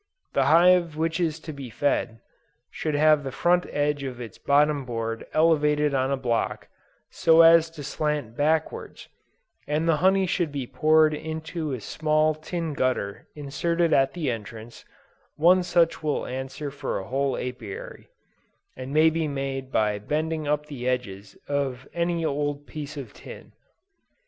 The hive which is to be fed, should have the front edge of its bottom board elevated on a block, so as to slant backwards, and the honey should be poured into a small tin gutter inserted at the entrance; one such will answer for a whole Apiary, and may be made by bending up the edges of any old piece of tin.